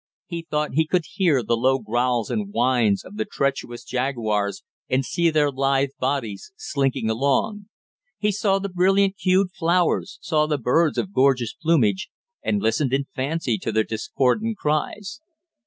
He thought he could hear the low growls and whines of the treacherous jaguars and see their lithe bodies slinking along. He saw the brilliant hued flowers, saw the birds of gorgeous plumage, and listened in fancy to their discordant cries.